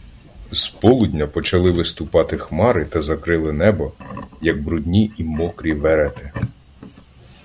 З полудня почали виступати хмари та закрили небо, як брудні і мокрі верети.